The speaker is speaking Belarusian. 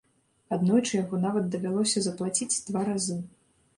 Аднойчы яго нават давялося заплаціць два разы.